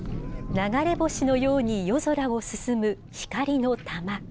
流れ星のように夜空を進む光の玉。